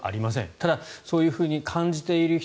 ただ、そういうふうに感じている人